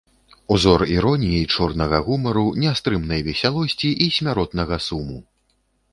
Узор іроніі, чорнага гумару, нястрымнай весялосці і смяротнага суму.